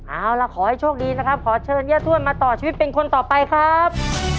เอาล่ะขอให้โชคดีนะครับขอเชิญย่าท่วนมาต่อชีวิตเป็นคนต่อไปครับ